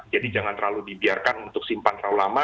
jadi jangan terlalu dibiarkan untuk simpan terlalu lama